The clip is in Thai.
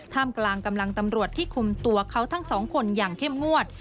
กำลังตำรวจที่คุมตัวเขาทั้งสองคนอย่างเข้มงวด